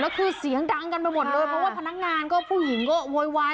แล้วคือเสียงดังกันไปหมดเลยเพราะว่าพนักงานก็ผู้หญิงก็โวยวาย